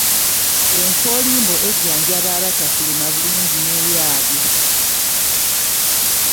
Enkoolimbo ejanjjaba abatafuluma bulungi n'eyaabwe.